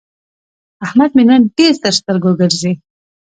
احمد مې نن ډېر تر سترګو ګرځي.